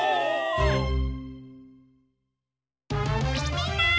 みんな！